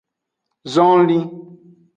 Zonlin.